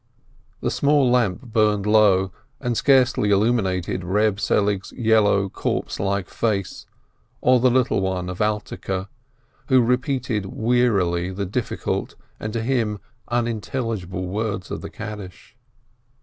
The small lamp burnt low, and scarcely illuminated Reb Selig's yellow, corpse like face, or the little one of Alterke, who repeated wearily the difficult, and to him unintelligible words of the Kaddish.